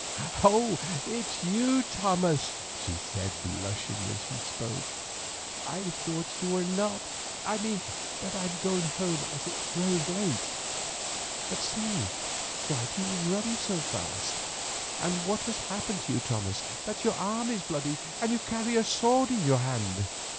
"Oh! it is you, Thomas," she said, blushing as she spoke. "I thought you were not—I mean that I am going home as it grows late. But say, why do you run so fast, and what has happened to you, Thomas, that your arm is bloody and you carry a sword in your hand?"